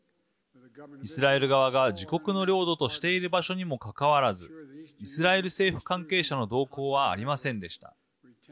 イスラエル側が自国の領土としている場所にもかかわらずイスラエル政府関係者の同行はありませんでした。